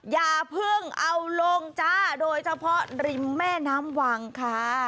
อย่าเพิ่งเอาลงจ้าโดยเฉพาะริมแม่น้ำวังค่ะ